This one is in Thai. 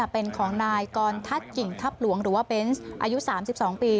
เป็นของนายกรทัศน์กิ่งทัพหลวงหรือว่าเบนส์อายุ๓๒ปี